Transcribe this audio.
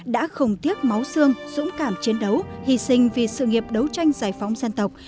đã không tiếc máu xương dũng cảm chiến đấu hy sinh vì sự nghiệp đấu tranh giải phóng dân tộc